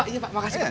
iya pak makasih pak